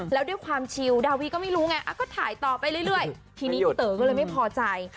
แล้วด้วยความชิลดาวีก็ไม่รู้ไงก็ถ่ายต่อไปเรื่อยทีนี้พี่เต๋อก็เลยไม่พอใจ